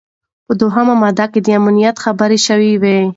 په دوهمه ماده کي د امنیت خبره شوې وه.